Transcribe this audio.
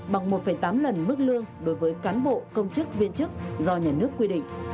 bằng một tám lần mức lương đối với cán bộ công chức viên chức do nhà nước quy định